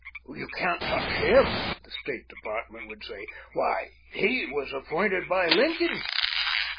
"You can't touch Him!" the State Department would say; "why, HE was appointed by Lincoln!"